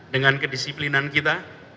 dengan kedisiplinan kita